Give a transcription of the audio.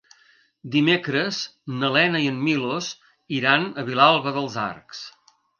Dimecres na Lena i en Milos iran a Vilalba dels Arcs.